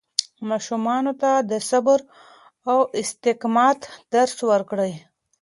ماشومانو ته د صبر او استقامت درس ورکړئ.